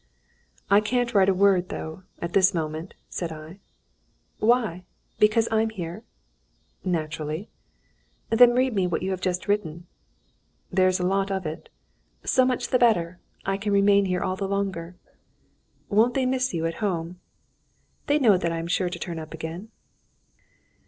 "I can't write a word, though, at this moment," said I. "Why? Because I'm here?" "Naturally." "Then read me what you have just written." "There's a lot of it." "So much the better. I can remain here all the longer." "Won't they miss you at home?" "They know that I am sure to turn up again."